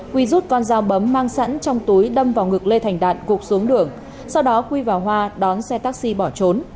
quy rút con dao bấm mang sẵn trong túi đâm vào ngực lê thành đạt gục xuống đường sau đó quy và hoa đón xe taxi bỏ trốn